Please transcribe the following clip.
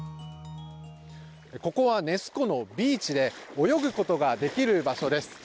ここはネス湖のビーチで泳ぐことができる場所です。